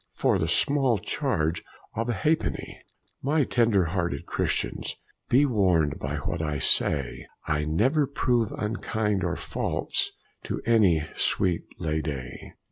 For the small charge of a ha'penny! My tender hearted Christians, Be warned by what I say, And never prove unkind or false To any sweet la' dy.